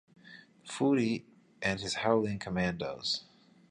Fury and his Howling Commandos".